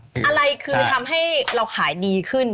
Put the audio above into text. อะไรคือทำให้เราขายดีขึ้น